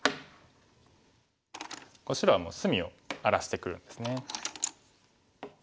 白はもう隅を荒らしてくるんですね。